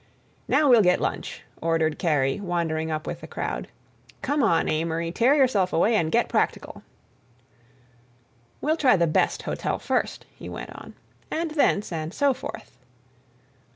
"Now we'll get lunch," ordered Kerry, wandering up with the crowd. "Come on, Amory, tear yourself away and get practical." "We'll try the best hotel first," he went on, "and thence and so forth."